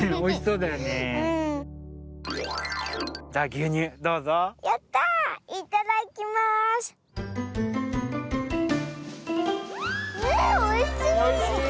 うんおいしい！